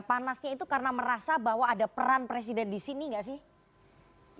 panasnya itu karena merasa bahwa ada peran presiden di sini nggak sih